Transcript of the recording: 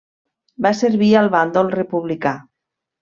Va servir al bàndol republicà.